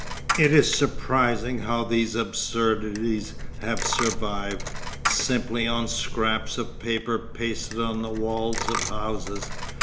It is surprising how these absurdities have survived, simply on scraps of paper pasted on the walls of houses.